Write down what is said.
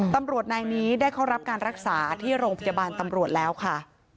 ตำรวจนายนี้ได้เข้ารับการรักษาที่โรงพยาบาลตำรวจแล้วค่ะ